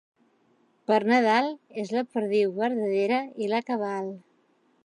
Per Nadal és la perdiu verdadera i la cabal.